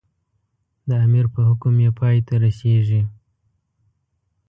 د امیر په حکم یې پای ته رسېږي.